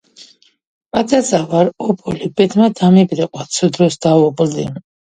პაწაწა ვარ, ობოლი. ბედმა დამიბრიყვა ცუდ დროს დავობლდი.